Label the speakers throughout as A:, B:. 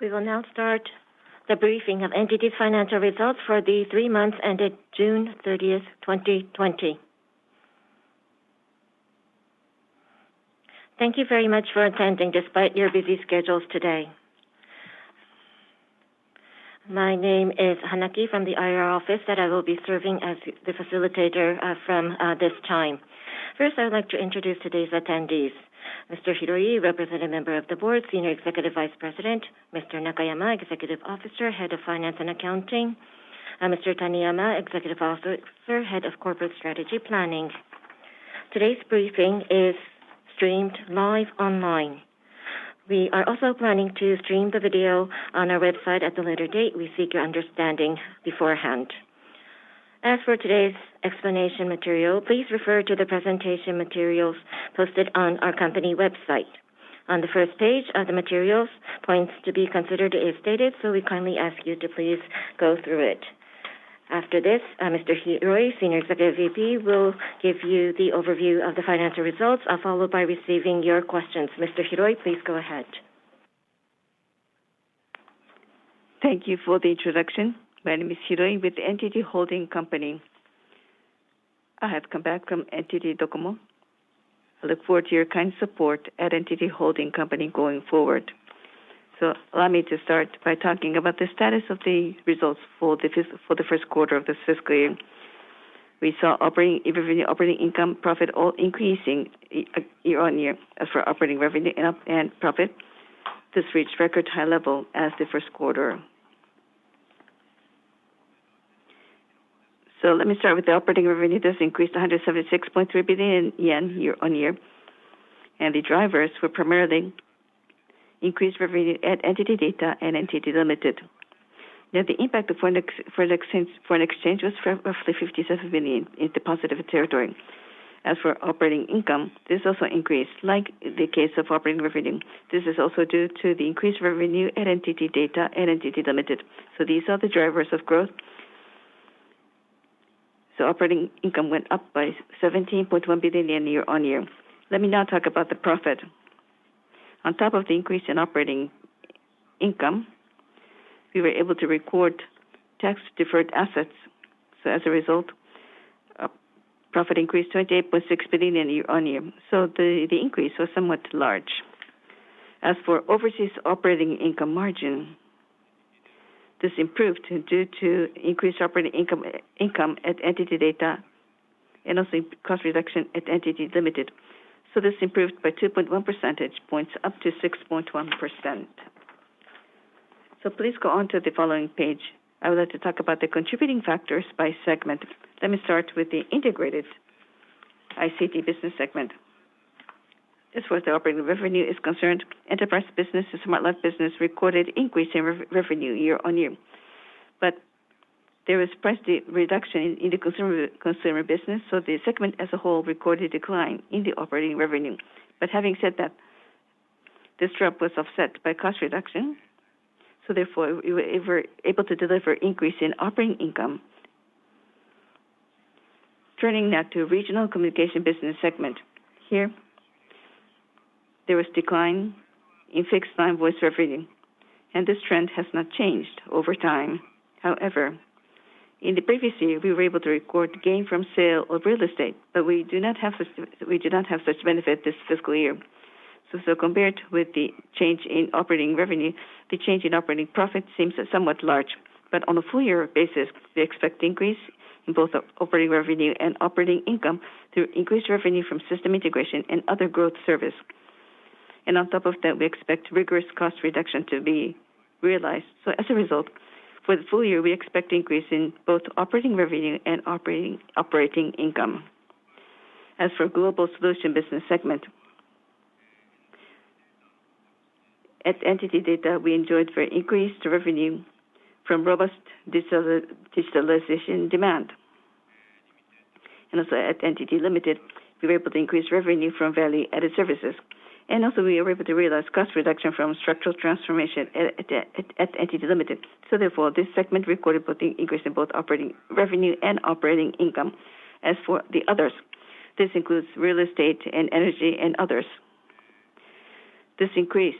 A: We will now start the briefing of NTT's financial results for the three months ended June 30, 2020. Thank you very much for attending despite your busy schedules today. My name is Hanaki from the IR office, and I will be serving as the facilitator this time. First, I would like to introduce today's attendees. Mr. Hiroi, Representative Member of the Board, Senior Executive Vice President, Mr. Nakayama, Executive Officer, Head of Finance and Accounting, and Mr. Taniyama, Executive Officer, Head of Corporate Strategy Planning. Today's briefing is streamed live online. We are also planning to stream the video on our website at a later date. We seek your understanding beforehand. As for today's explanation material, please refer to the presentation materials posted on our company website. On the first page of the materials, points to be considered is stated, so we kindly ask you to please go through it. After this, Mr. Hiroi, Senior Executive VP, will give you the overview of the financial results, followed by receiving your questions. Mr. Hiroi, please go ahead.
B: Thank you for the introduction. My name is Hiroi with NTT holding company. I have come back from NTT DOCOMO. I look forward to your kind support at NTT going forward. Allow me to start by talking about the status of the results for the first quarter of this fiscal year. We saw operating revenue, operating income, profit all increasing year-on-year. As for operating revenue and profit, this reached record high level as the first quarter. Let me start with the operating revenue. This increased 176.3 billion yen year-on-year, and the drivers were primarily increased revenue at NTT DATA and NTT Limited. Now the impact of foreign exchange was roughly 57 billion in the positive territory. As for operating income, this also increased like the case of operating revenue. This is also due to the increased revenue at NTT DATA and NTT Limited, so these are the drivers of growth. Operating income went up by 17.1 billion year-on-year. Let me now talk about the profit. On top of the increase in operating income, we were able to record tax-deferred assets. As a result, profit increased 28.6 billion year-on-year. The increase was somewhat large. As for overseas operating income margin, this improved due to increased operating income at NTT DATA and also cost reduction at NTT Limited. This improved by 2.1 percentage points up to 6.1%. Please go on to the following page. I would like to talk about the contributing factors by segment. Let me start with the Integrated ICT Business segment. As far as the operating revenue is concerned, enterprise business and smart life business recorded increase in revenue year-on-year. There was price reduction in the consumer business, so the segment as a whole recorded decline in the operating revenue. Having said that, this drop was offset by cost reduction, so therefore we were able to deliver increase in operating income. Turning now to Regional Communications Business segment. Here, there was decline in fixed line voice revenue, and this trend has not changed over time. However, in the previous year, we were able to record gain from sale of real estate, but we do not have such benefit this fiscal year. Compared with the change in operating revenue, the change in operating profit seems somewhat large. On a full year basis, we expect increase in both operating revenue and operating income through increased revenue from system integration and other growth service. On top of that, we expect rigorous cost reduction to be realized. As a result, for the full year, we expect increase in both operating revenue and operating income. As for Global Solutions Business segment, at NTT DATA, we enjoyed very increased revenue from robust digitalization demand. Also at NTT Limited, we were able to increase revenue from value-added services. Also, we were able to realize cost reduction from structural transformation at NTT Limited. Therefore, this segment recorded both the increase in both operating revenue and operating income. As for the others, this includes real estate and energy and others. This increased.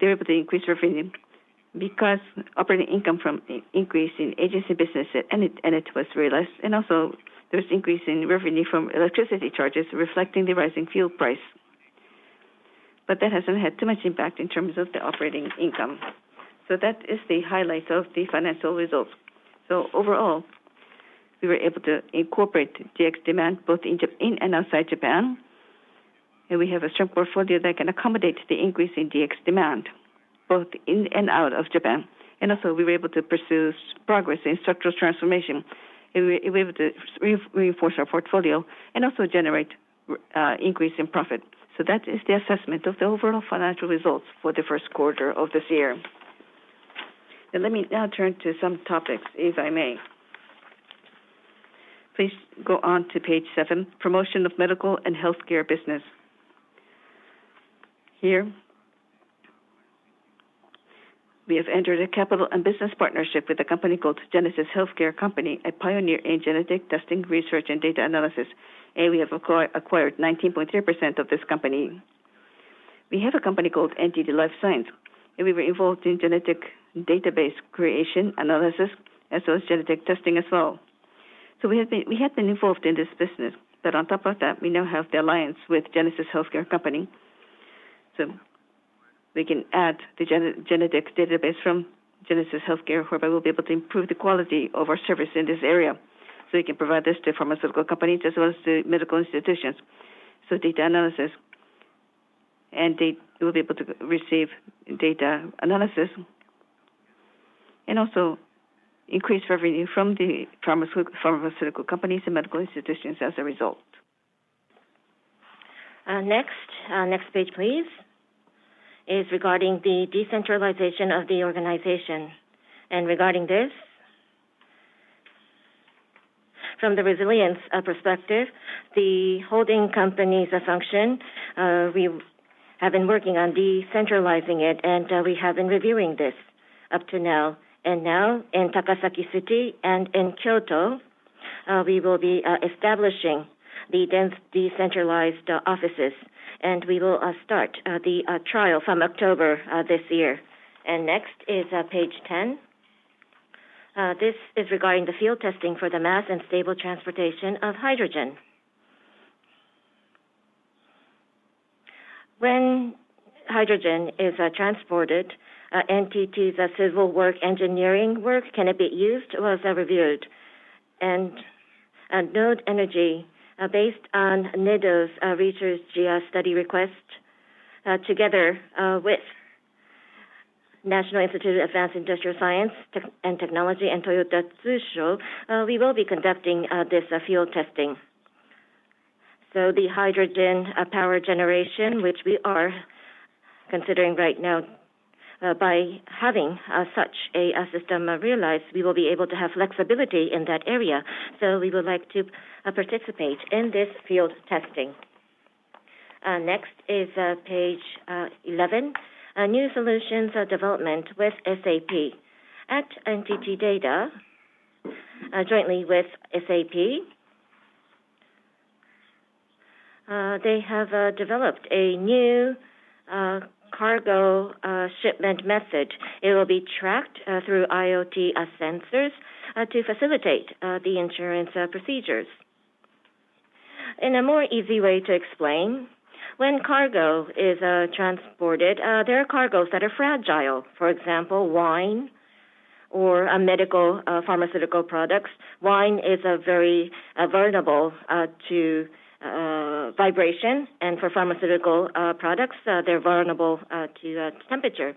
B: They were able to increase revenue because operating income from increase in agency business, and it was realized. Also, there was increase in revenue from electricity charges reflecting the rising fuel price. That hasn't had too much impact in terms of the operating income. That is the highlight of the financial results. Overall, we were able to incorporate DX demand both in and outside Japan, and we have a strong portfolio that can accommodate the increase in DX demand both in and out of Japan. Also, we were able to pursue progress in structural transformation, and we were able to reinforce our portfolio and also generate increase in profit. That is the assessment of the overall financial results for the first quarter of this year. Let me now turn to some topics, if I may. Please go on to page seven, Promotion of Medical and Healthcare Business. Here, we have entered a capital and business partnership with a company called Genesis Healthcare Company, a pioneer in genetic testing, research and data analysis. We have acquired 19.0% of this company. We have a company called NTT Life Science, and we were involved in genetic database creation, analysis, as well as genetic testing as well. We have been involved in this business, but on top of that, we now have the alliance with Genesis Healthcare Company. We can add the genetic database from Genesis Healthcare, whereby we'll be able to improve the quality of our service in this area, so we can provide this to pharmaceutical companies as well as to medical institutions. Data analysis, and they will be able to receive data analysis and also increase revenue from the pharmaceutical companies and medical institutions as a result. Next page, please, is regarding the decentralization of the organization. Regarding this, from the resilience perspective, the holding company's function, we have been working on decentralizing it, and we have been reviewing this up to now. Now, in Takasaki City and in Kyoto, we will be establishing the dense decentralized offices, and we will start the trial from October this year. Next is page 10. This is regarding the field testing for the mass and stable transportation of hydrogen. When hydrogen is transported, NTT's civil engineering work, can it be used, was reviewed. Anode Energy, based on NEDO's research, Green study request, together with National Institute of Advanced Industrial Science and Technology and Toyota Tsusho, we will be conducting this field testing. The hydrogen power generation, which we are considering right now, by having such a system realized, we will be able to have flexibility in that area. We would like to participate in this field testing. Next is page 11. New solutions development with SAP. At NTT DATA, jointly with SAP, they have developed a new cargo shipment method. It will be tracked through IoT sensors to facilitate the insurance procedures. In a more easy way to explain, when cargo is transported, there are cargoes that are fragile, for example, wine or medical pharmaceutical products. Wine is very vulnerable to vibration, and for pharmaceutical products, they're vulnerable to temperature.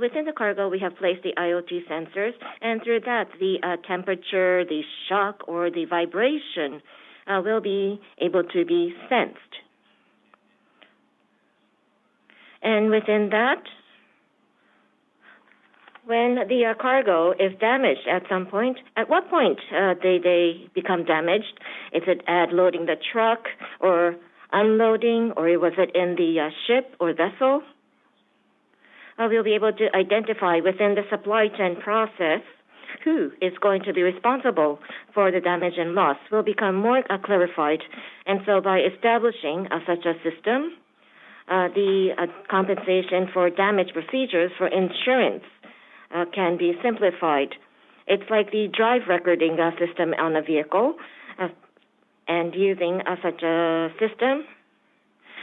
B: Within the cargo, we have placed the IoT sensors, and through that, the temperature, the shock or the vibration will be able to be sensed. Within that, when the cargo is damaged at some point, at what point did they become damaged? Is it at loading the truck or unloading, or was it in the ship or vessel? We'll be able to identify within the supply chain process, who is going to be responsible for the damage, and loss will become more clarified. By establishing such a system, the compensation for damage procedures for insurance can be simplified. It's like the drive recording system on a vehicle. Using such a system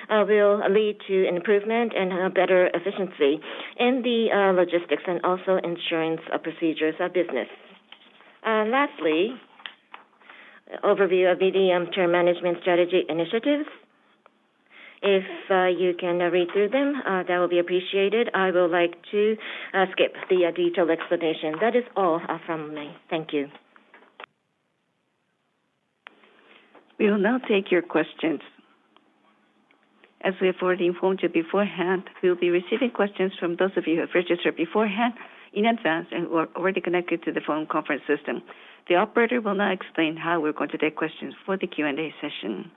B: will lead to improvement and better efficiency in the logistics and also insurance procedures business. Lastly, overview of mid-term management strategy initiatives. If you can read through them, that will be appreciated. I would like to skip the detailed explanation. That is all from me. Thank you. We will now take your questions. As we have already informed you beforehand, we'll be receiving questions from those of you who have registered beforehand in advance and who are already connected to the phone conference system. The operator will now explain how we're going to take questions for the Q&A session.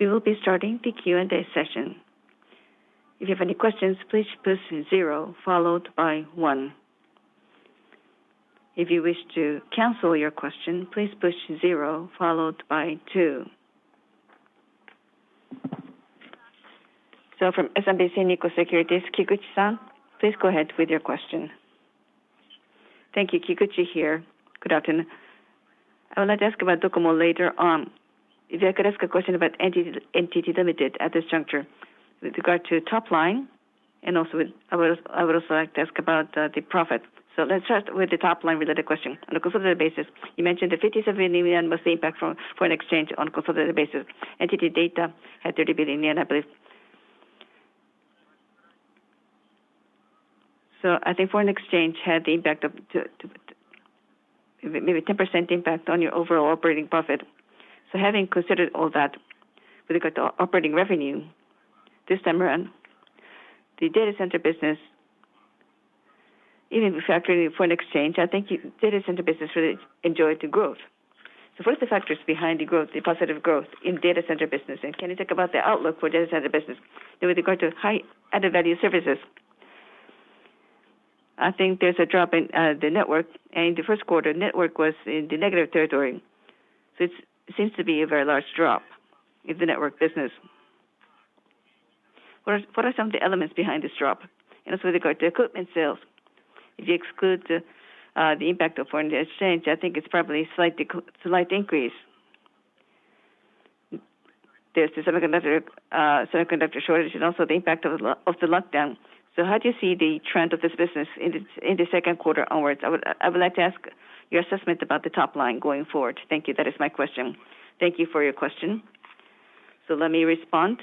C: We will be starting the Q&A session. If you have any questions, please push zero followed by one. If you wish to cancel your question, please push zero followed by two. From SMBC Nikko Securities, Kikuchi-san, please go ahead with your question.
D: Thank you. Kikuchi here. Good afternoon. I would like to ask about DOCOMO later on. If I could ask a question about NTT Limited at this juncture with regard to top line, I would also like to ask about the profit. Let's start with the top line related question. On a consolidated basis, you mentioned that 57 billion yen was the impact from foreign exchange on a consolidated basis. NTT DATA had 30 billion yen, I believe. I think foreign exchange had the impact of maybe 10% impact on your overall operating profit. Having considered all that, with regard to operating revenue this time around, the data center business. Even factoring foreign exchange, I think data center business really enjoyed the growth. What are the factors behind the growth, the positive growth in data center business? Can you talk about the outlook for data center business with regard to high added-value services? I think there's a drop in the network, and in the first quarter, network was in the negative territory. It seems to be a very large drop in the network business. What are some of the elements behind this drop? And also with regard to equipment sales, if you exclude the impact of foreign exchange, I think it's probably slight increase. There's the semiconductor shortage and also the impact of the lockdown. How do you see the trend of this business in the second quarter onwards? I would like to ask your assessment about the top line going forward. Thank you. That is my question.
B: Thank you for your question. Let me respond.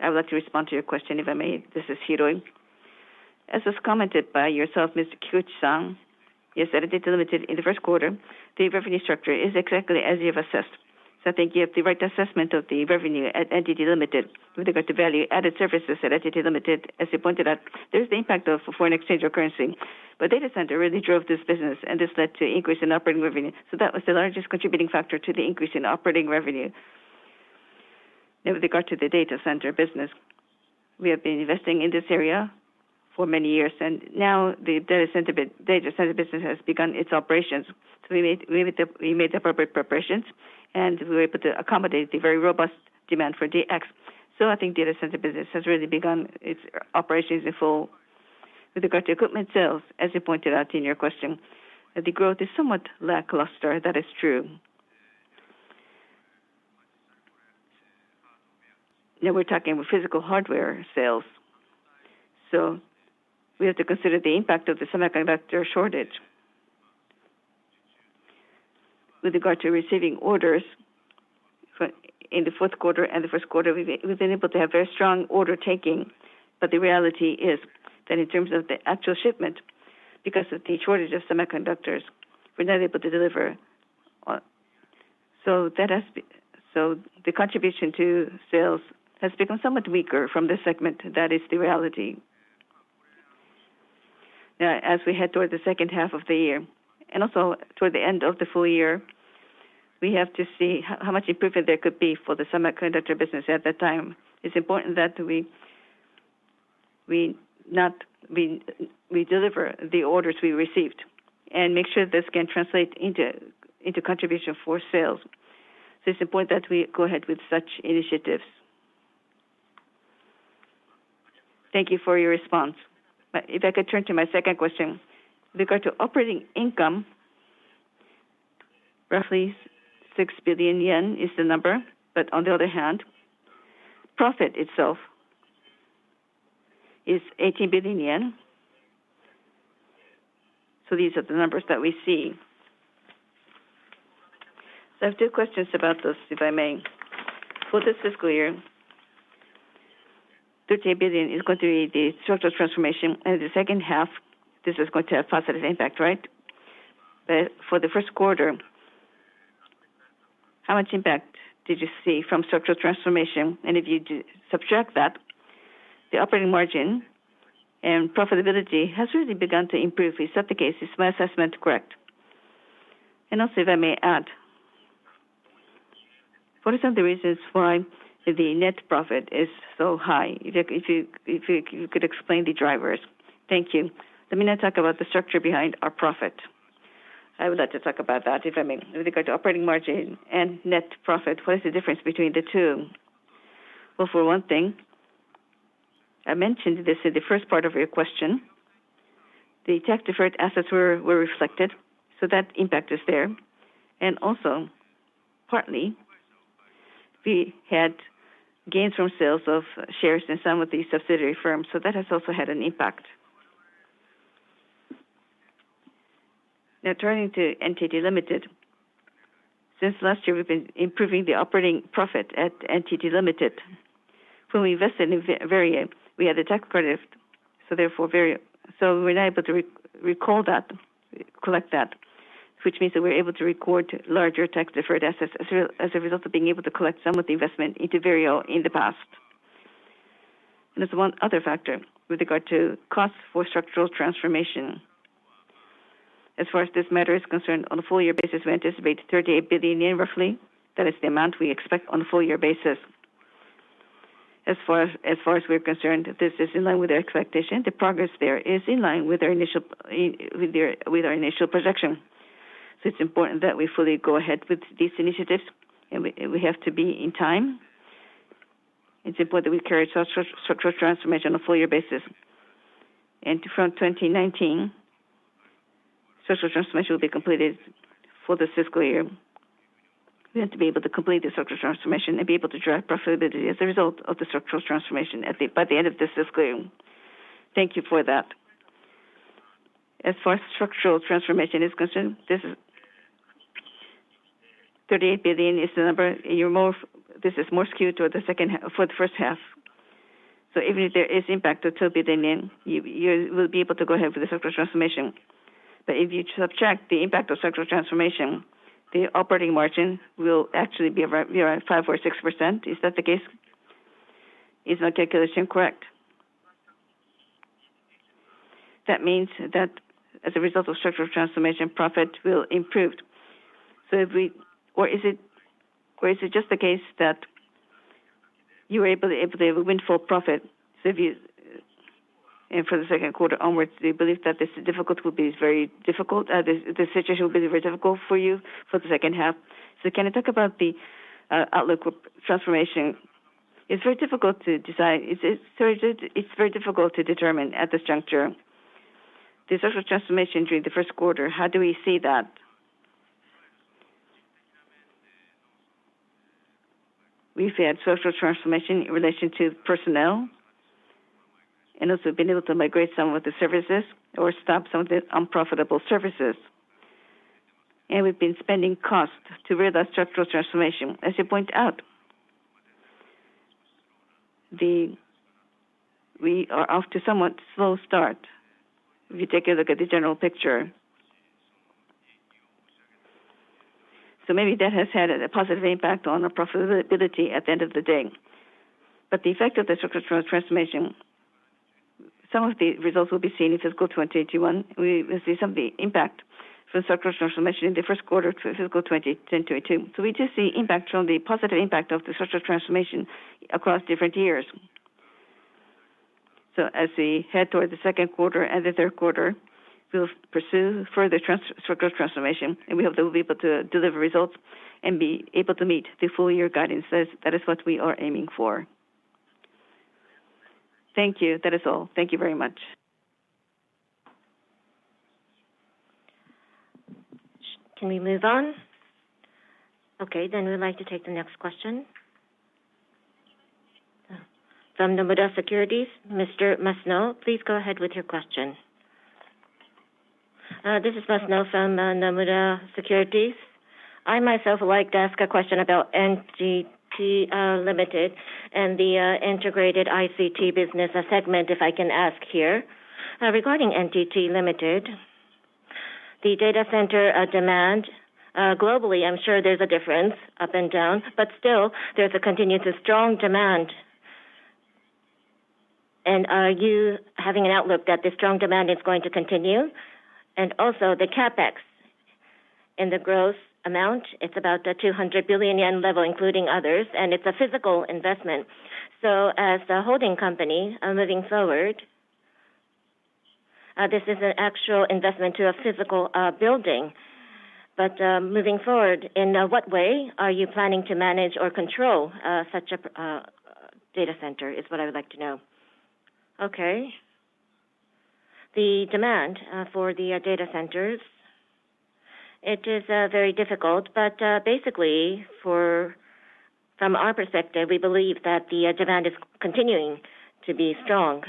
B: I would like to respond to your question, if I may. This is Hiroi. As was commented by yourself, Mr. Kikuchi-san, yes, NTT Limited in the first quarter, the revenue structure is exactly as you have assessed. I think you have the right assessment of the revenue at NTT Limited with regard to value-added services at NTT Limited. As you pointed out, there's the impact of foreign exchange or currency. Data center really drove this business, and this led to increase in operating revenue. That was the largest contributing factor to the increase in operating revenue. Now, with regard to the data center business, we have been investing in this area for many years, and now the data center business has begun its operations. We made the appropriate preparations, and we were able to accommodate the very robust demand for DX. I think data center business has really begun its operations in full. With regard to equipment sales, as you pointed out in your question, the growth is somewhat lackluster. That is true. Now we're talking with physical hardware sales, so we have to consider the impact of the semiconductor shortage. With regard to receiving orders in the fourth quarter and the first quarter, we've been able to have very strong order taking. The reality is that in terms of the actual shipment, because of the shortage of semiconductors, we're not able to deliver on. That has been. The contribution to sales has become somewhat weaker from this segment. That is the reality. Now, as we head towards the second half of the year and also toward the end of the full year, we have to see how much improvement there could be for the semiconductor business at that time. It's important that we deliver the orders we received and make sure this can translate into contribution for sales. It's important that we go ahead with such initiatives.
D: Thank you for your response. If I could turn to my second question. With regard to operating income, roughly 6 billion yen is the number, but on the other hand, profit itself is 18 billion yen. These are the numbers that we see. I have two questions about this, if I may. For this fiscal year, 38 billion is going to be the structural transformation, and in the second half, this is going to have positive impact, right? For the first quarter, how much impact did you see from structural transformation? If you do subtract that, the operating margin and profitability has really begun to improve. Is that the case? Is my assessment correct? Also, if I may add, what are some of the reasons why the net profit is so high? If you could explain the drivers. Thank you.
B: Let me now talk about the structure behind our profit. I would like to talk about that, if I may. With regard to operating margin and net profit, what is the difference between the two? Well, for one thing, I mentioned this in the first part of your question, the deferred tax assets were reflected, so that impact is there. Also partly we had gains from sales of shares in some of these subsidiary firms, so that has also had an impact. Now turning to NTT Limited. Since last year, we've been improving the operating profit at NTT Limited. When we invested in Virtela, we had a tax credit, so therefore Virtela, so we're now able to recall that, collect that, which means that we're able to record larger tax deferred assets as well as a result of being able to collect some of the investment into Virtela in the past. There's one other factor with regard to cost for structural transformation. As far as this matter is concerned, on a full year basis, we anticipate 38 billion yen roughly. That is the amount we expect on a full year basis. As far as we're concerned, this is in line with our expectation. The progress there is in line with our initial projection. It's important that we fully go ahead with these initiatives, and we have to be in time. It's important we carry structural transformation on a full year basis. From 2019, structural transformation will be completed for this fiscal year. We have to be able to complete the structural transformation and be able to drive profitability as a result of the structural transformation by the end of this fiscal year.
D: Thank you for that. As far as structural transformation is concerned, this is. 38 billion is the number. This is more skewed toward the second half for the first half. Even if there is impact of JPY 2 billion, you will be able to go ahead with the structural transformation. If you subtract the impact of structural transformation, the operating margin will actually be around 5% or 6%. Is that the case? Is my calculation correct? That means that as a result of structural transformation, profit will improve. Is it just the case that you were able to have a windfall profit, and for the second quarter onwards, do you believe that this difficulty will be very difficult, this situation will be very difficult for you for the second half? Can you talk about the outlook of transformation?
B: It's very difficult to decide. It's very difficult to determine at this juncture.
D: The structural transformation during the first quarter, how do we see that?
B: We've had structural transformation in relation to personnel, and also been able to migrate some of the services or stop some of the unprofitable services. We've been spending costs to realize that structural transformation, as you point out. We are off to somewhat slow start if you take a look at the general picture. Maybe that has had a positive impact on our profitability at the end of the day. The effect of the structural transformation, some of the results will be seen in fiscal 2021. We will see some of the impact from structural transformation in the first quarter of fiscal 2022. We do see impact from the positive impact of the structural transformation across different years. As we head towards the second quarter and the third quarter, we'll pursue further trans-structural transformation, and we hope that we'll be able to deliver results and be able to meet the full year guidance. That is what we are aiming for.
D: Thank you. That is all. Thank you very much.
C: Can we move on? Okay, we'd like to take the next question. From Nomura Securities, Mr. Masuno, please go ahead with your question.
E: This is Masuno from Nomura Securities. I myself would like to ask a question about NTT Limited and the Integrated ICT Business segment, if I can ask here. Regarding NTT Limited, the data center demand globally, I'm sure there's a difference up and down, but still there's a continuous strong demand. Are you having an outlook that the strong demand is going to continue? Also the CapEx in the growth amount, it's about the 200 billion yen level, including others, and it's a physical investment. As the holding company, moving forward, this is an actual investment to a physical building. Moving forward, in what way are you planning to manage or control such a data center, is what I would like to know.
B: Okay. The demand for the data centers, it is very difficult, but basically from our perspective, we believe that the demand is continuing to be strong.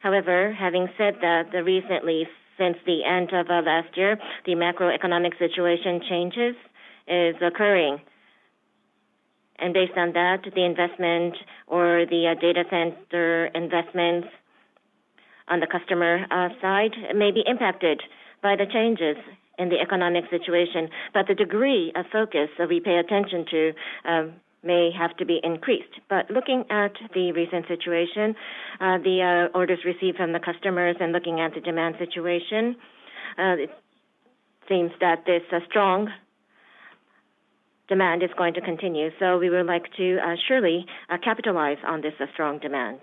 B: However, having said that, recently since the end of last year, the macroeconomic situation changes is occurring. Based on that, the investment or the data center investments on the customer side may be impacted by the changes in the economic situation. The degree of focus that we pay attention to may have to be increased. Looking at the recent situation, the orders received from the customers and looking at the demand situation, it seems that this strong demand is going to continue. We would like to surely capitalize on this strong demand.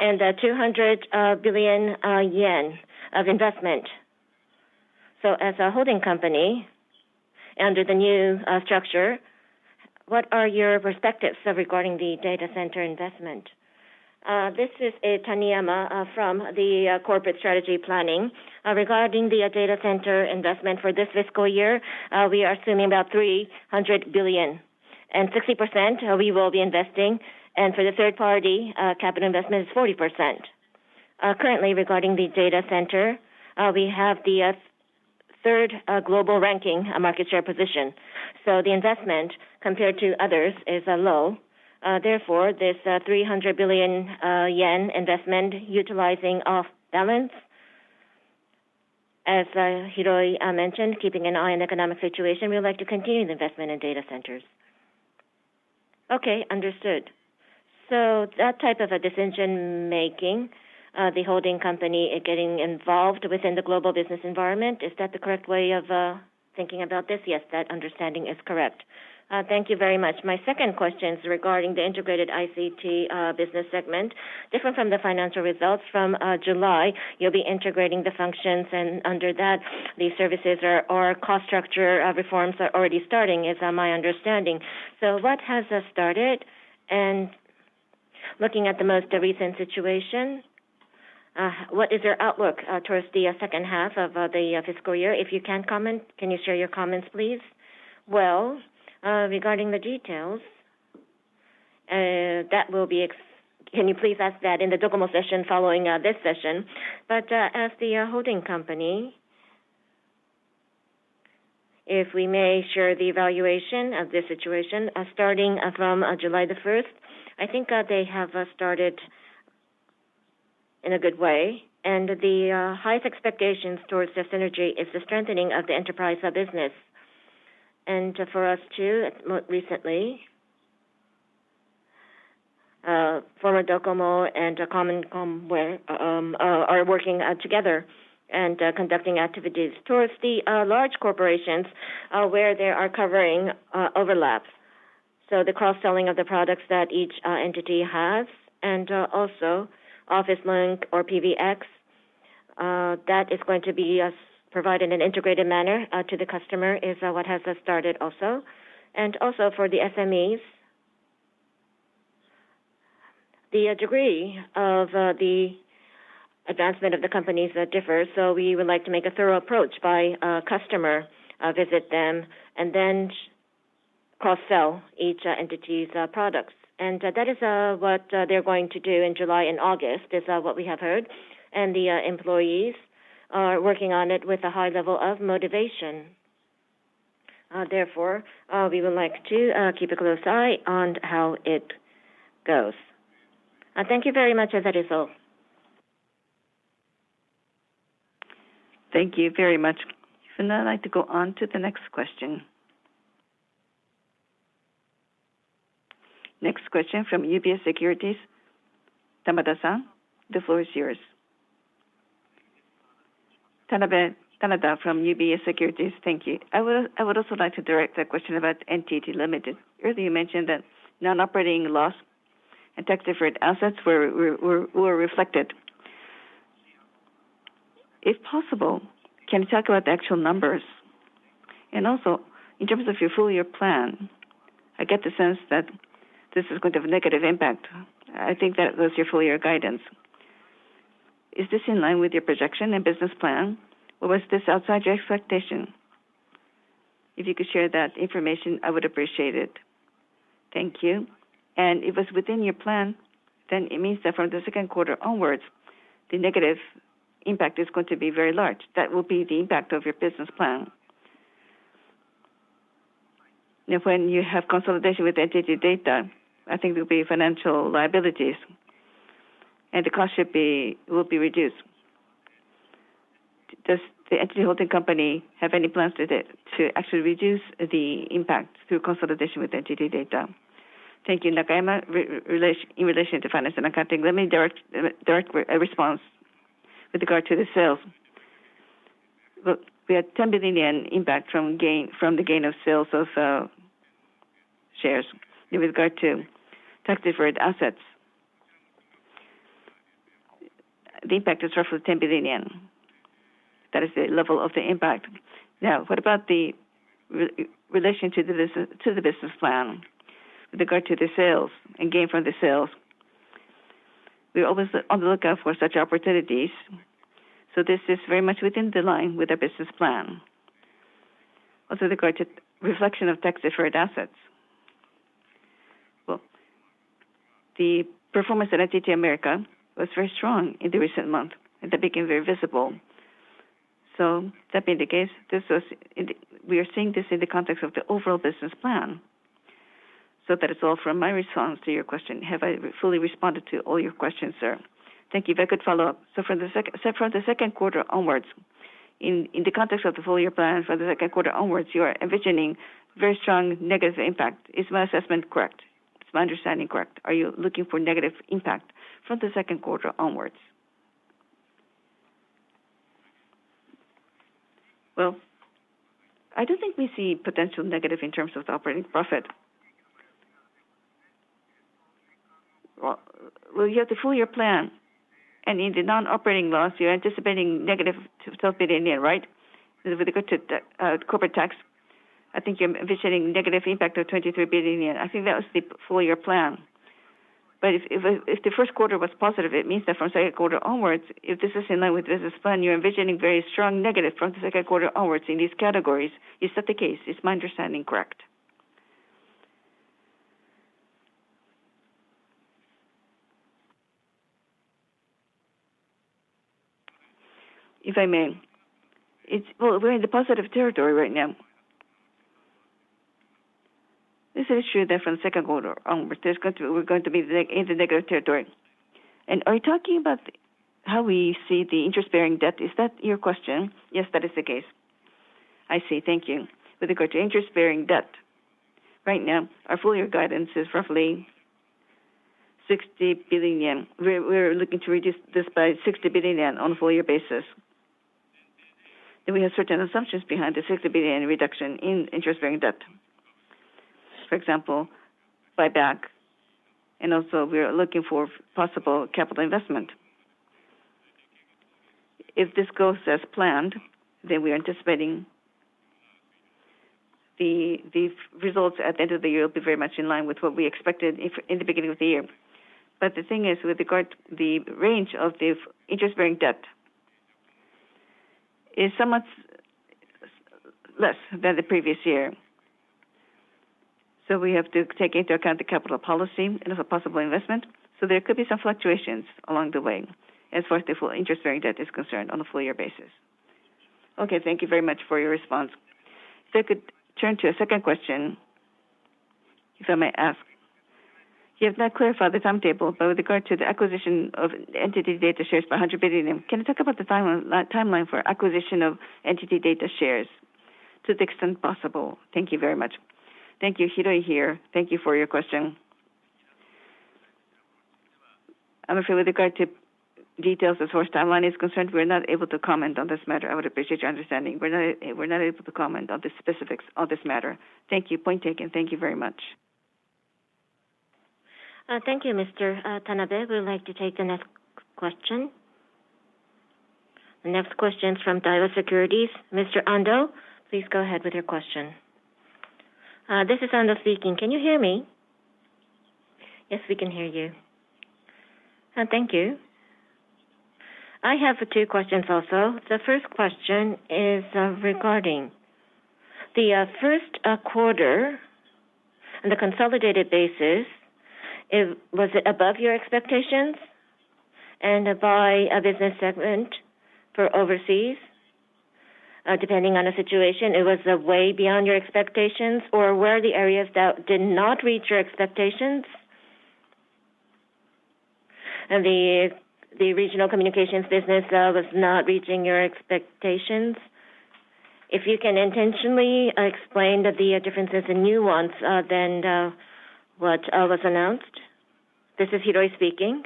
B: 200 billion yen of investment.
E: As a holding company under the new structure, what are your perspectives regarding the data center investment?
F: This is Taniyama from the Corporate Strategy Planning. Regarding the data center investment for this fiscal year, we are assuming about 300 billion, and 60% we will be investing, and for the third party, capital investment is 40%. Currently regarding the data center, we have the third global ranking market share position. The investment compared to others is low. Therefore, this 300 billion yen investment utilizing off-balance, as Hiroi mentioned, keeping an eye on economic situation, we would like to continue the investment in data centers.
E: Okay. Understood. That type of a decision-making, the holding company getting involved within the global business environment, is that the correct way of thinking about this?
F: Yes, that understanding is correct.
E: Thank you very much. My second question is regarding the Integrated ICT Business segment. Different from the financial results from July, you'll be integrating the functions, and under that, the services or cost structure reforms are already starting, is my understanding. What has started? And looking at the most recent situation, what is your outlook towards the second half of the fiscal year? If you can comment, can you share your comments, please? Well, regarding the details, that will be. Can you please ask that in the DOCOMO session following this session?
F: As the holding company, if we may share the evaluation of this situation, starting from July the first, I think they have started in a good way, and the highest expectations towards the synergy is the strengthening of the enterprise business. For us, too, it's more recently. NTT DOCOMO and NTT COMWARE are working together and conducting activities towards the large corporations where they are covering overlaps. So the cross-selling of the products that each entity has, and also Office Link or PBX that is going to be provided in an integrated manner to the customer is what has started also. For the SMEs. The degree of the advancement of the companies differs, so we would like to make a thorough approach by customer visit them and then cross-sell each entity's products. That is what they're going to do in July and August, is what we have heard. The employees are working on it with a high level of motivation. Therefore, we would like to keep a close eye on how it goes.
E: Thank you very much. That is all.
C: Thank you very much. I'd like to go on to the next question. Next question from UBS Securities. [Satoru Sako], the floor is yours.
G: [Satoru Sako] from UBS SecuritiesThank you. I would also like to direct a question about NTT Limited. Earlier, you mentioned that non-operating loss and deferred tax assets were reflected. If possible, can you talk about the actual numbers? Also, in terms of your full-year plan, I get the sense that this is going to have a negative impact. I think that was your full-year guidance. Is this in line with your projection and business plan, or was this outside your expectation? If you could share that information, I would appreciate it. Thank you. If it's within your plan, then it means that from the second quarter onwards, the negative impact is going to be very large. That will be the impact of your business plan. Now, when you have consolidation with NTT DATA, I think there'll be financial liabilities and the cost will be reduced. Does the NTT holding company have any plans to actually reduce the impact through consolidation with NTT DATA?
H: Thank you. Nakayama, in relation to finance and accounting, let me direct a response with regard to the sales. Well, we had 10 billion yen impact from the gain on sales of shares. In regard to deferred tax assets, the impact is roughly 10 billion yen. That is the level of the impact.
G: Now, what about the relation to the business plan with regard to the sales and gain from the sales?
H: We're always on the lookout for such opportunities, so this is very much in line with our business plan.
G: Also with regard to reflection of tax-deferred assets.
H: Well, the performance at NTT America was very strong in the recent month, and that became very visible. That being the case, we are seeing this in the context of the overall business plan. That is all from my response to your question. Have I fully responded to all your questions, sir?
G: Thank you. If I could follow up. From the second quarter onwards, in the context of the full-year plan for the second quarter onwards, you are envisioning very strong negative impact. Is my assessment correct? Is my understanding correct? Are you looking for negative impact from the second quarter onwards?
B: Well, I don't think we see potential negative in terms of the operating profit.
G: Well, you have the full-year plan, and in the non-operating loss, you're anticipating negative 12 billion yen, right? With regard to corporate tax, I think you're envisioning negative impact of 23 billion yen. I think that was the full-year plan. But if the first quarter was positive, it means that from second quarter onwards, if this is in line with business plan, you're envisioning very strong negative from the second quarter onwards in these categories. Is that the case? Is my understanding correct?
F: If I may. Well, we're in the positive territory right now. This is true that from second quarter onwards, we're going to be in the negative territory. Are you talking about how we see the interest-bearing debt? Is that your question?
G: Yes, that is the case.
F: I see. Thank you. With regard to interest-bearing debt, right now our full-year guidance is roughly 60 billion yen. We're looking to reduce this by 60 billion yen on a full-year basis. We have certain assumptions behind the 60 billion yen reduction in interest-bearing debt. For example, buyback, and also we are looking for possible capital investment. If this goes as planned, we are anticipating the results at the end of the year will be very much in line with what we expected in the beginning of the year. The thing is, with regard to the range of the interest-bearing debt is somewhat less than the previous year. We have to take into account the capital policy and of a possible investment. There could be some fluctuations along the way as far as the full interest-bearing debt is concerned on a full-year basis.
G: Okay, thank you very much for your response. If I could turn to a second question, if I may ask. You have not clarified the timetable, but with regard to the acquisition of NTT DATA shares by 100 billion, can you talk about the time, timeline for acquisition of NTT DATA shares to the extent possible? Thank you very much.
B: Thank you. Hiroi here. Thank you for your question. I'm afraid with regard to details as far as timeline is concerned, we're not able to comment on this matter. I would appreciate your understanding. We're not able to comment on the specifics of this matter.
G: Thank you. Point taken. Thank you very much.
C: Thank you, Mr. Tanabe. We would like to take the next question. The next question is from Daiwa Securities. Mr. Ando, please go ahead with your question.
I: This is Ando speaking. Can you hear me?
C: Yes, we can hear you.
I: Thank you. I have two questions also. The first question is regarding the first quarter on the consolidated basis. Was it above your expectations? By business segment for overseas, depending on the situation, it was way beyond your expectations, or were the areas that did not reach your expectations? The Regional Communications Business was not reaching your expectations. If you can in detail explain the differences in nuance than what was announced.
B: This is Hiroi speaking.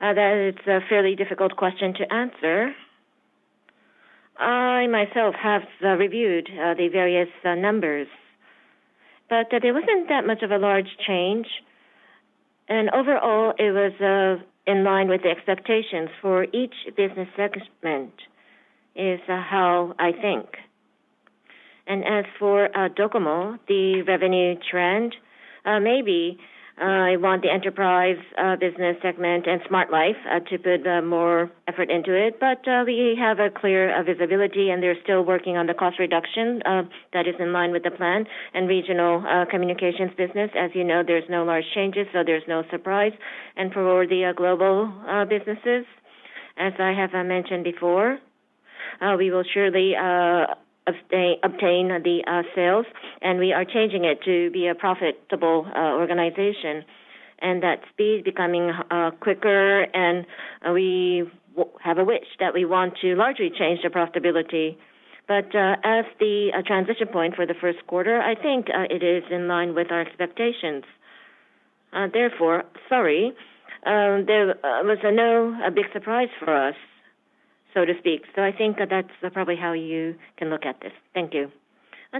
B: That is a fairly difficult question to answer. I myself have reviewed the various numbers, but there wasn't that much of a large change. Overall, it was in line with the expectations for each business segment, is how I think. As for DOCOMO, the revenue trend, maybe I want the enterprise business segment and Smart Life to put more effort into it. We have a clear visibility, and they're still working on the cost reduction that is in line with the plan and Regional Communications Business. As you know, there's no large changes, so there's no surprise. For the Global Business, as I have mentioned before, we will surely obtain the sales, and we are changing it to be a profitable organization. That speed becoming quicker. We have a wish that we want to largely change the profitability. As the transition point for the first quarter, I think it is in line with our expectations. Therefore, sorry, there was no big surprise for us, so to speak. I think that's probably how you can look at this. Thank you.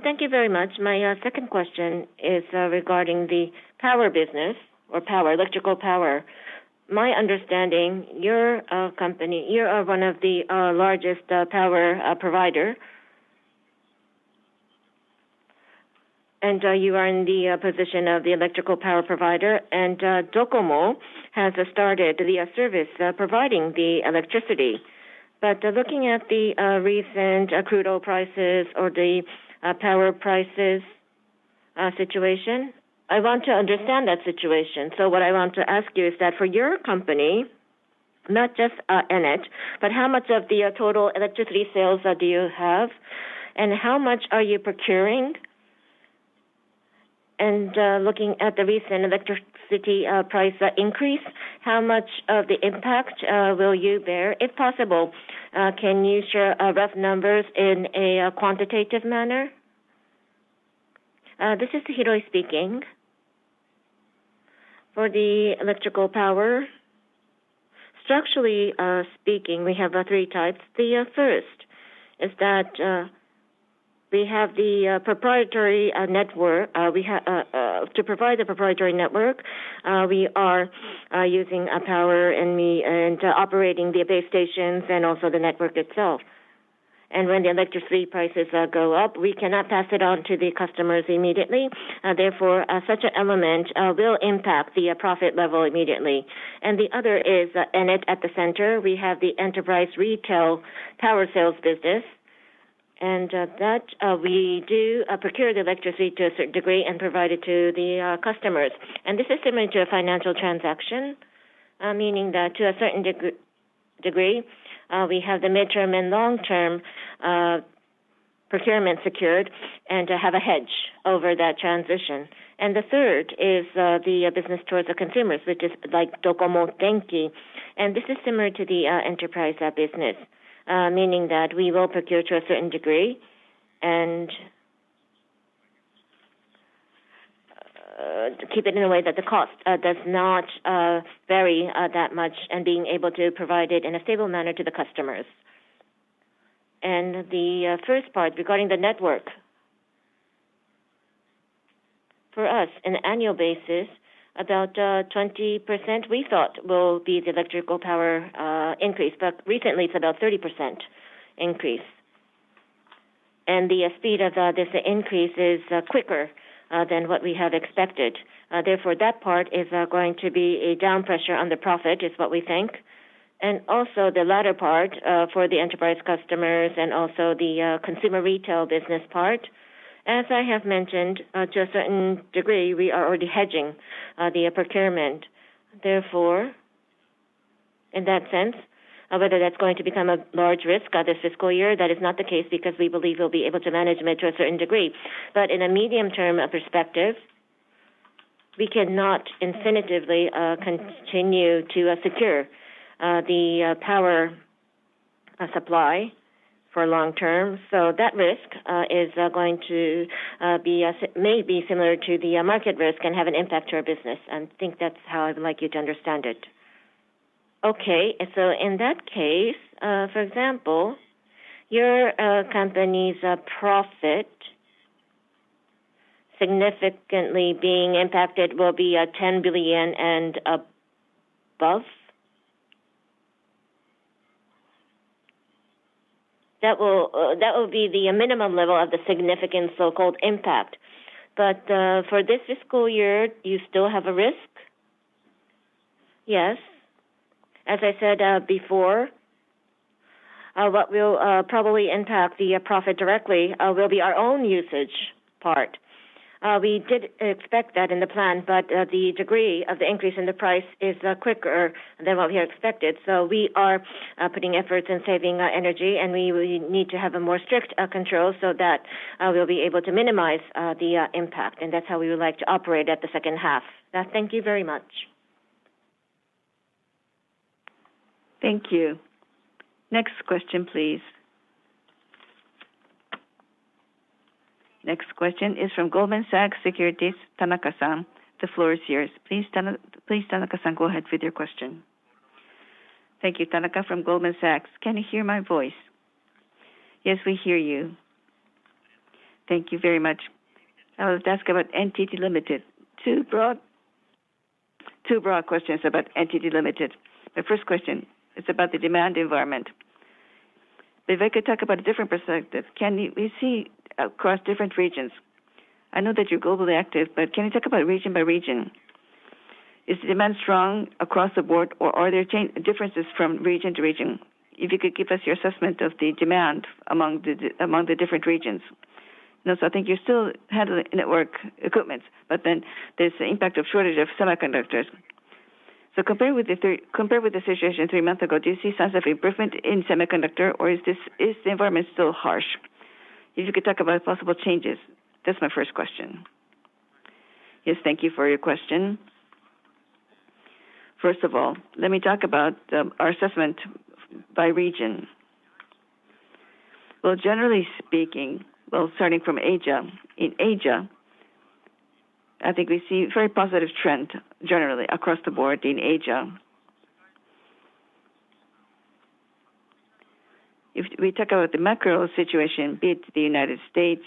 I: Thank you very much. My second question is, regarding the power business or power, electrical power. My understanding, your company, you are one of the largest power provider. You are in the position of the electrical power provider. DOCOMO has started the service providing the electricity. Looking at the recent crude oil prices or the power prices situation, I want to understand that situation. What I want to ask you is that for your company, not just ENNET, but how much of the total electricity sales do you have, and how much are you procuring? Looking at the recent electricity price increase, how much of the impact will you bear? If possible, can you share rough numbers in a quantitative manner?
B: This is Hiroi speaking. For the electric power, structurally speaking, we have three types. The first is that we have the proprietary network. To provide the proprietary network, we are using power and operating the base stations and also the network itself. When the electricity prices go up, we cannot pass it on to the customers immediately. Therefore, such an element will impact the profit level immediately. The other is ENNET at the center. We have the enterprise retail power sales business, and that we do procure the electricity to a certain degree and provide it to the customers. This is similar to a financial transaction, meaning that to a certain degree, we have the midterm and long-term procurement secured and have a hedge over that transition. The third is the business towards the consumers, which is like docomo Denki. This is similar to the enterprise business, meaning that we will procure to a certain degree and to keep it in a way that the cost does not vary that much and being able to provide it in a stable manner to the customers. The first part, regarding the network. For us, on an annual basis, about 20% we thought will be the electrical power increase, but recently it's about 30% increase. The speed of this increase is quicker than what we had expected. Therefore, that part is going to be a down pressure on the profit, is what we think. The latter part for the enterprise customers and also the consumer retail business part, as I have mentioned, to a certain degree, we are already hedging the procurement. Therefore, in that sense, whether that's going to become a large risk this fiscal year, that is not the case because we believe we'll be able to manage them to a certain degree. In a medium-term perspective, we cannot infinitely continue to secure the power supply for long term. That risk is going to may be similar to the market risk and have an impact to our business. I think that's how I would like you to understand it.
I: In that case, for example, your company's profit significantly being impacted will be 10 billion and above?
B: That will be the minimum level of the significant so-called impact.
I: For this fiscal year, you still have a risk?
B: Yes. As I said, before, what will probably impact the profit directly will be our own usage part. We did expect that in the plan, but the degree of the increase in the price is quicker than what we had expected. We are putting efforts in saving energy, and we will need to have a more strict control so that we'll be able to minimize the impact, and that's how we would like to operate at the second half. Thank you very much.
C: Thank you. Next question, please. Next question is from Goldman Sachs Securities, Tanaka-san. The floor is yours. Please, Tanaka-san, go ahead with your question.
J: Thank you. Tanaka from Goldman Sachs. Can you hear my voice?
C: Yes, we hear you.
J: Thank you very much. I would ask about NTT Limited. Two broad questions about NTT Limited. The first question is about the demand environment. If I could talk about a different perspective, can we see across different regions. I know that you're globally active, but can you talk about region by region? Is demand strong across the board, or are there differences from region to region? If you could give us your assessment of the demand among the different regions. Also, I think you still handle network equipment, but then there's the impact of shortage of semiconductors. Compared with the situation three months ago, do you see signs of improvement in semiconductors, or is the environment still harsh? If you could talk about possible changes. That's my first question.
B: Yes. Thank you for your question. First of all, let me talk about our assessment by region. Generally speaking, starting from Asia. In Asia, I think we see very positive trend generally across the board in Asia. If we talk about the macro situation, be it the United States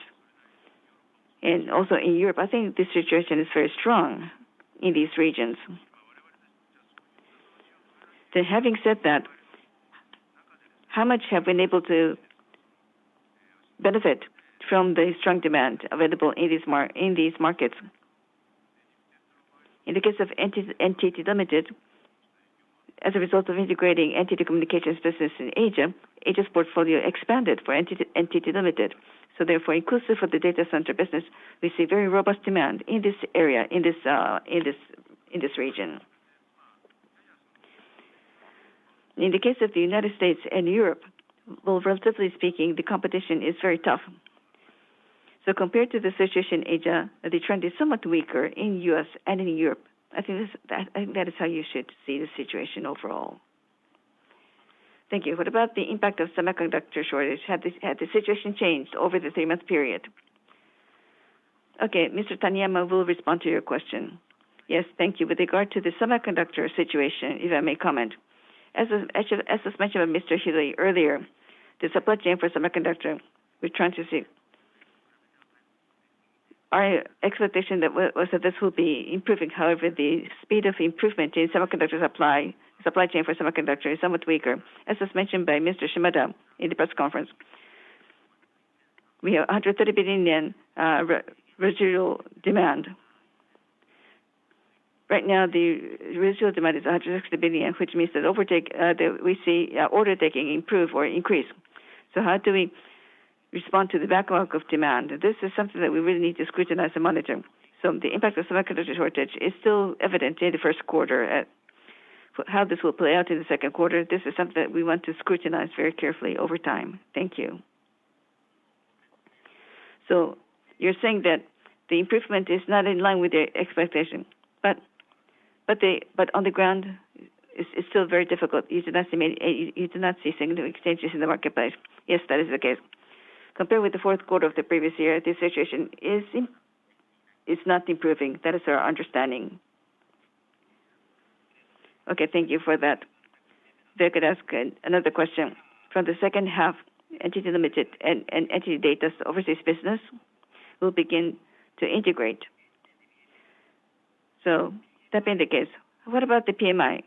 B: and also in Europe, I think the situation is very strong in these regions. Having said that, how much have we been able to benefit from the strong demand available in these markets? In the case of NTT Limited., as a result of integrating NTT Communications business in Asia's portfolio expanded for NTT Limited. Therefore, inclusive of the data center business, we see very robust demand in this region. In the case of the United States and Europe, well, relatively speaking, the competition is very tough. Compared to the situation in Asia, the trend is somewhat weaker in U.S. and in Europe. I think that is how you should see the situation overall.
J: Thank you. What about the impact of semiconductor shortage? Had the situation changed over the three-month period?
B: Okay. Mr. Taniyama will respond to your question.
F: Yes. Thank you. With regard to the semiconductor situation, if I may comment. As was mentioned by Mr. Hiroi earlier, the supply chain for semiconductor, we're trying to see. Our expectation was that this will be improving. However, the speed of improvement in semiconductor supply chain for semiconductor is somewhat weaker. As was mentioned by Mr. Shimada in the press conference, we have 130 billion yen residual demand. Right now, the residual demand is 160 billion, which means that over time we see order taking improve or increase. How do we respond to the backlog of demand? This is something that we really need to scrutinize and monitor. The impact of semiconductor shortage is still evident in the first quarter. How this will play out in the second quarter, this is something that we want to scrutinize very carefully over time. Thank you.
J: You're saying that the improvement is not in line with the expectation, but on the ground it's still very difficult. You do not see significant changes in the marketplace.
F: Yes, that is the case. Compared with the fourth quarter of the previous year, the situation is not improving. That is our understanding.
J: Okay. Thank you for that. If I could ask another question. From the second half, NTT Limited. and NTT DATA's overseas business will begin to integrate. That being the case, what about the PMI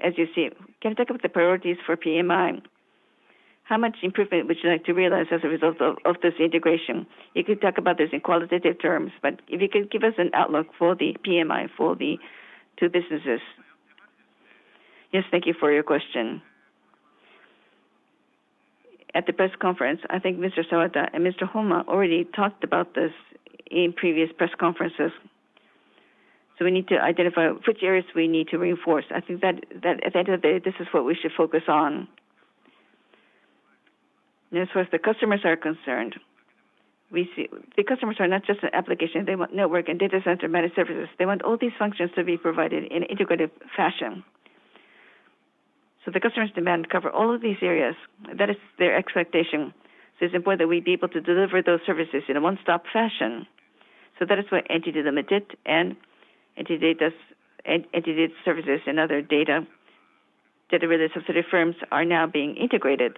J: as you see? Can you talk about the priorities for PMI? How much improvement would you like to realize as a result of this integration? You could talk about this in qualitative terms, but if you could give us an outlook for the PMI for the two businesses.
B: Yes. Thank you for your question. At the press conference, I think Mr. Sawada and Mr. Homma already talked about this in previous press conferences. We need to identify which areas we need to reinforce. I think that at the end of the day, this is what we should focus on. As far as the customers are concerned, we see the customers are not just the application. They want network and data center managed services. They want all these functions to be provided in integrated fashion. The customer's demand cover all of these areas. That is their expectation. It's important that we be able to deliver those services in a one-stop fashion. That is why NTT Limited and NTT DATA's NTT DATA services and other data-related subsidiary firms are now being integrated.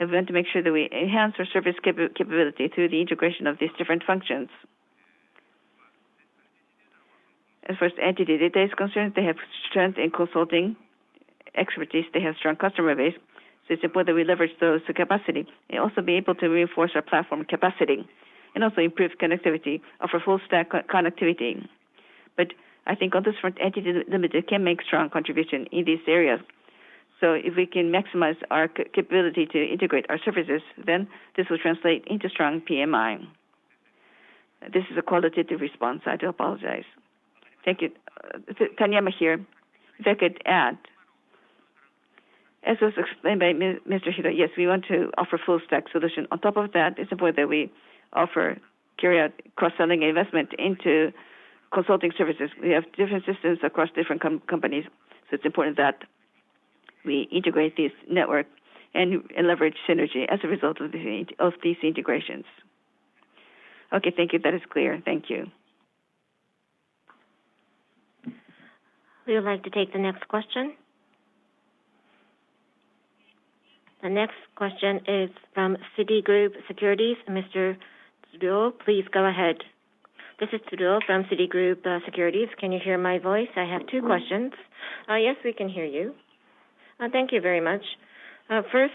B: We want to make sure that we enhance our service capability through the integration of these different functions. As far as NTT DATA is concerned, they have strength in consulting expertise. They have strong customer base. It's important that we leverage those to capacity and also be able to reinforce our platform capacity and also improve connectivity, offer full stack connectivity. But I think on this front, NTT Limited can make strong contribution in these areas. If we can maximize our capability to integrate our services, then this will translate into strong PMI. This is a qualitative response. I do apologize.
F: Thank you. Taniyama here. If I could add. As was explained by Mr. Hiroi, yes, we want to offer full stack solution. On top of that, it's important that we carry out cross-selling investment into consulting services. We have different systems across different companies, so it's important that we integrate these networks and leverage synergy as a result of the integration of these integrations.
J: Okay. Thank you. That is clear. Thank you.
C: We would like to take the next question. The next question is from Citigroup Securities. Mr. Tsuruo, please go ahead.
K: This is Tsuruo from Citigroup Securities. Can you hear my voice? I have two questions.
C: Yes, we can hear you.
K: Thank you very much. First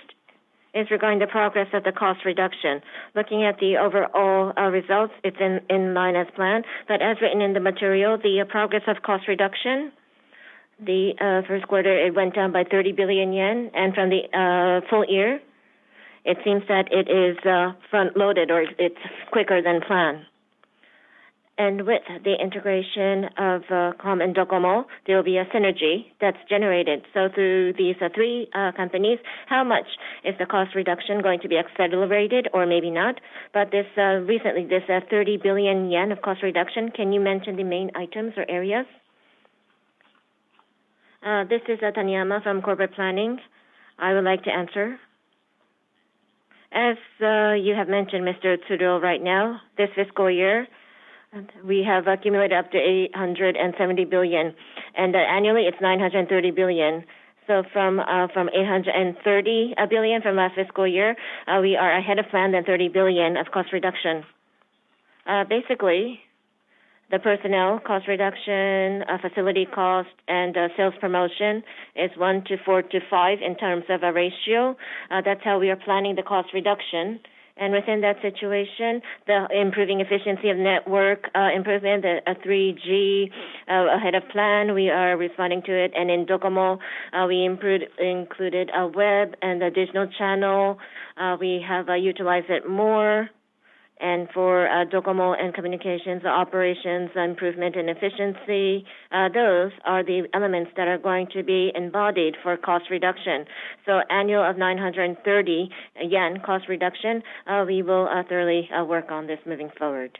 K: is regarding the progress of the cost reduction. Looking at the overall results, it's in line as planned. As written in the material, the progress of cost reduction first quarter, it went down by 30 billion yen. From the full year, it seems that it is front-loaded or it's quicker than planned. With the integration of NTT Communications and NTT DOCOMO, there will be a synergy that's generated. Through these three companies, how much is the cost reduction going to be accelerated or maybe not? This recently, this 30 billion yen of cost reduction, can you mention the main items or areas?
F: This is Taniyama from Corporate Planning. I would like to answer. As you have mentioned, Mr. Tsuruo, right now, this fiscal year, we have accumulated up to 870 billion, and annually it's 930 billion. From 830 billion from last fiscal year, we are ahead of plan by 30 billion of cost reduction. Basically, the personnel cost reduction, facility cost, and sales promotion is one 1:4:5 in terms of a ratio. That's how we are planning the cost reduction. Within that situation, the improving efficiency of network, improvement at 3G, ahead of plan, we are responding to it. In DOCOMO, we included web and digital channel. We have utilized it more. For DOCOMO and Communications operations improvement and efficiency, those are the elements that are going to be embodied for cost reduction. Annual of 930 cost reduction. We will thoroughly work on this moving forward.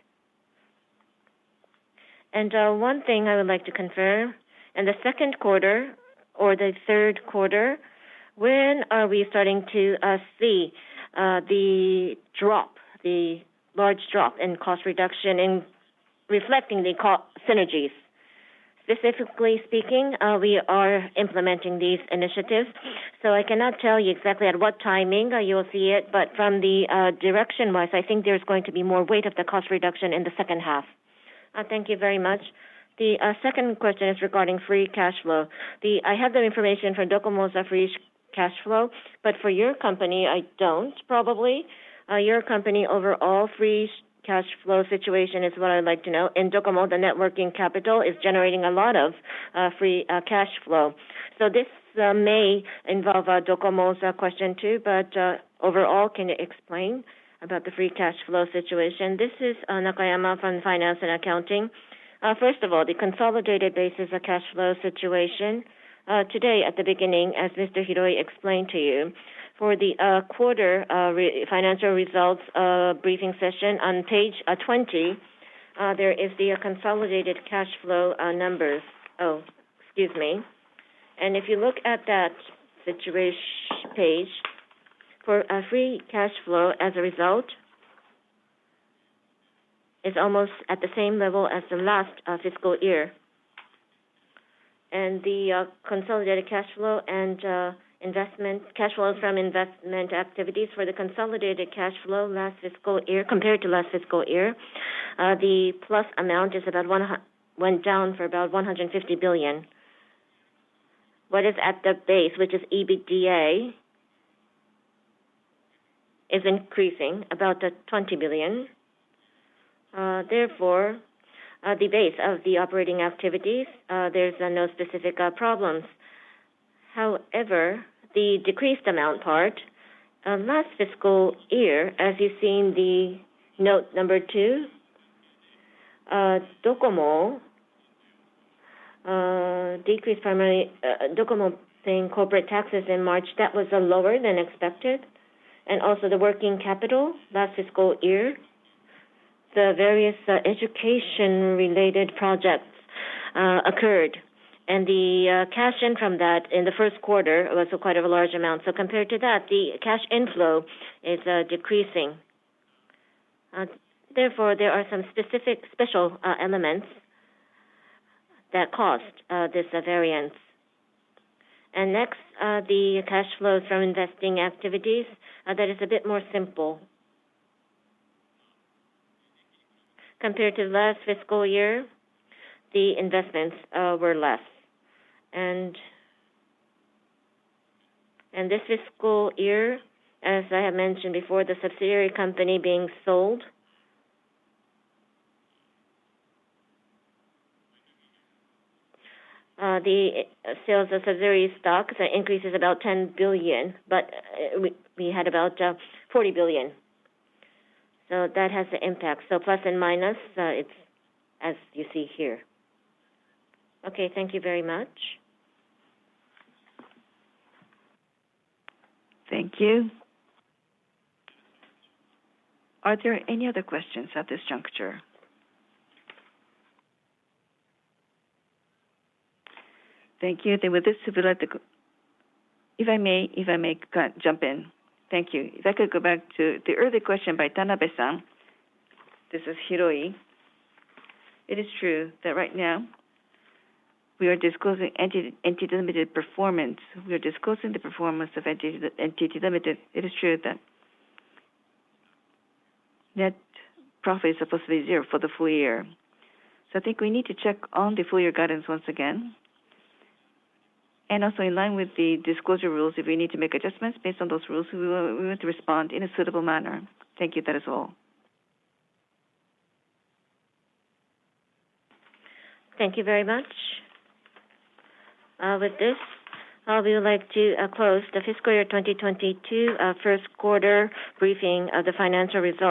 K: One thing I would like to confirm. In the second quarter or the third quarter, when are we starting to see the drop, the large drop in cost reduction in reflecting the synergies?
F: Specifically speaking, we are implementing these initiatives, so I cannot tell you exactly at what timing you'll see it. But from the direction-wise, I think there's going to be more weight of the cost reduction in the second half.
K: Thank you very much. The second question is regarding free cash flow. I have the information for NTT DOCOMO's free cash flow, but for your company, I probably don't. Your company overall free cash flow situation is what I'd like to know. In Docomo, the net working capital is generating a lot of free cash flow. This may involve Docomo's question, too. Overall, can you explain about the free cash flow situation?
H: This is Nakayama from Finance and Accounting. First of all, the consolidated basis of cash flow situation, today at the beginning, as Mr. Hiroi explained to you, for the quarter financial results briefing session on page 20, there is the consolidated cash flow numbers. Excuse me. If you look at that situation page, for a free cash flow as a result, is almost at the same level as the last fiscal year. The consolidated cash flow from investment activities for the consolidated cash flow last fiscal year compared to last fiscal year. The plus amount went down by about 150 billion. What is at the base, which is EBITDA, is increasing about 20 billion. Therefore, the base of the operating activities, there's no specific problems. However, the decreased amount part last fiscal year, as you see in the note number two, NTT DOCOMO decreased primarily. NTT DOCOMO paying corporate taxes in March, that was lower than expected, and also the working capital last fiscal year. The various education-related projects occurred, and the cash in from that in the first quarter was quite a large amount. Compared to that, the cash inflow is decreasing. Therefore, there are some specific special elements that caused this variance. Next, the cash flows from investing activities, that is a bit more simple. Compared to last fiscal year, the investments were less. This fiscal year, as I have mentioned before, the subsidiary company being sold. The sales of subsidiary stock, the increase is about 10 billion, but we had about 40 billion, so that has the impact. Plus and minus, it's as you see here.
K: Okay, thank you very much.
C: Thank you. Are there any other questions at this juncture? Thank you. With this, we would like to.
B: If I may jump in. Thank you. If I could go back to the earlier question by Sako-san. This is Hiroi. It is true that right now we are disclosing NTT Limited. performance. We are disclosing the performance of NTT Limited. It is true that net profit is supposed to be zero for the full year. I think we need to check on the full year guidance once again. Also, in line with the disclosure rules, if we need to make adjustments based on those rules, we will respond in a suitable manner. Thank you. That is all.
C: Thank you very much. With this, we would like to close the fiscal year 2022 first quarter briefing of the financial results.